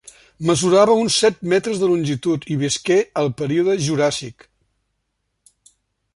Mesurava uns set metres de longitud i visqué al període Juràssic.